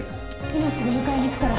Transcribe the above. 今すぐ迎えに行くから。